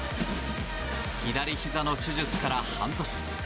左ひざの手術から半年。